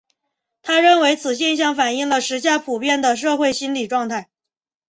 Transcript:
他认为此现象反映了时下普遍的社会心理状态。